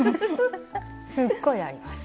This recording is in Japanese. すっごいあります。